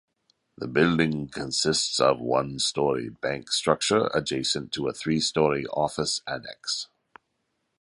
The building consists of a one-story bank structure adjacent to a three-story office annex.